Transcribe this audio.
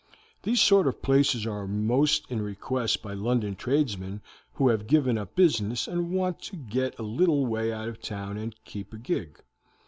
These sort of places are most in request by London tradesmen who have given up business and want to get a little way out of town and keep a gig.